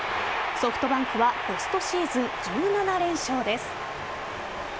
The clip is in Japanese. ソフトバンクはポストシーズン１７連勝です。